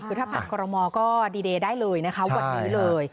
สุทธภัทรกรมก็ดีเดย์ได้เลยนะคะวันนี้เลย